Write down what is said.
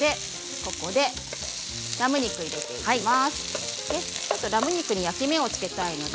ここでラム肉を入れていきます。